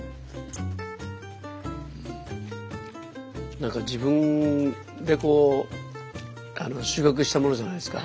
何か自分でこう収穫したものじゃないですか。